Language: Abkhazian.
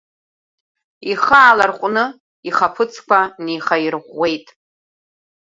Ихы ааларҟәны, ихаԥыцқәа неихаирӷәӷәеит.